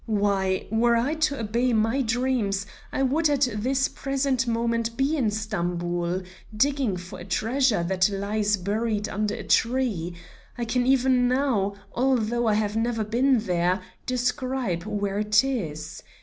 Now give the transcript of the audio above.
Why, were I to obey my dreams, I would at this present moment be in Stamboul, digging for a treasure that lies buried under a tree. I can even now, although I have never been there, describe where it is.